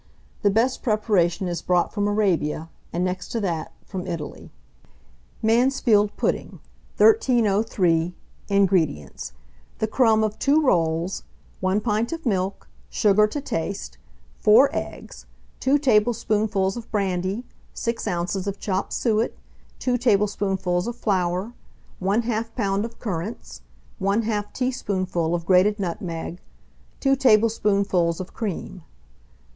The best preparation is brought from Arabia, and, next to that, from Italy. MANSFIELD PUDDING. 1303. INGREDIENTS. The crumb of 2 rolls, 1 pint of milk, sugar to taste, 4 eggs, 2 tablespoonfuls of brandy, 6 oz. of chopped suet, 2 tablespoonfuls of flour, 1/2 lb. of currants, 1/2 teaspoonful of grated nutmeg, 2 tablespoonfuls of cream.